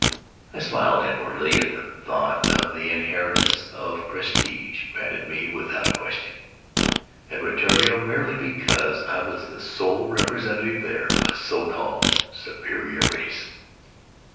I smiled inwardly at the thought of the inheritance of prestige, granted me without question, at Rutiaro, merely because I was the sole representative there of a so called superior race.